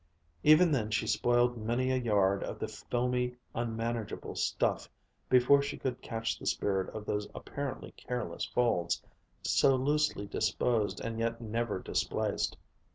Even then she spoiled many a yard of the filmy, unmanageable stuff before she could catch the spirit of those apparently careless folds, so loosely disposed and yet never displaced.